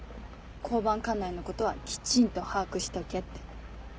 交番管内のことはきちんと把握しとけって。